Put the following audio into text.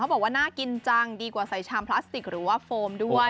บอกว่าน่ากินจังดีกว่าใส่ชามพลาสติกหรือว่าโฟมด้วย